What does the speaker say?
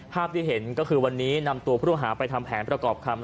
ที่เห็นก็คือวันนี้นำตัวผู้ต้องหาไปทำแผนประกอบคำ